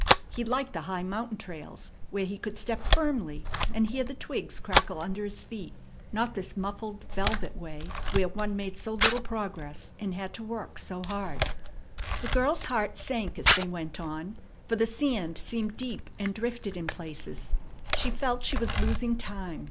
He liked the high mountain trails, where he could step firmly and hear the twigs crackle under his feet, not this muffled, velvet way where one made so little progress and had to work so hard. The girl's heart sank as they went on, for the sand seemed deep and drifted in places. She felt she was losing time.